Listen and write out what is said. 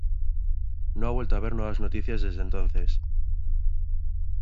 No ha vuelto a haber nuevas noticias desde entonces.